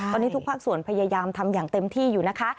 ตอนนี้ทุกภาคส่วนพยายามทำอย่างเต็มที่อยู่นะคะ